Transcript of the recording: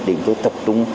để chúng tôi tập trung